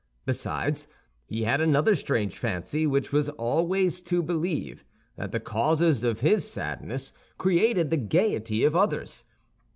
Besides, he had another strange fancy, which was always to believe that the causes of his sadness created the gaiety of others.